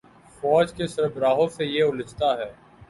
فوج کے سربراہوں سے یہ الجھتے گئے۔